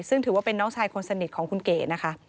ซึ่งถือว่าเป็นน้องชายคนสนิทของคุณเก๋นะคะ